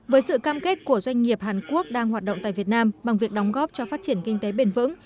với sự cam kết của doanh nghiệp hàn quốc đang hoạt động tại việt nam bằng việc đóng góp cho phát triển kinh tế bền vững